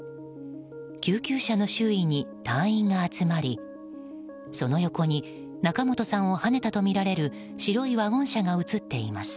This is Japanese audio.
救急車の周囲に隊員が集まりその横に仲本さんをはねたとみられる白いワゴン車が写っています。